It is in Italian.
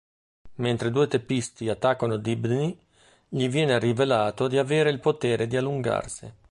Mentre due teppisti attaccano Dibny, gli viene rivelato di avere il potere di allungarsi.